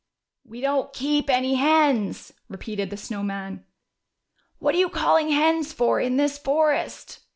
"We don't keep any hens." repeated the Snow Man. "What are you calling hens for in this forest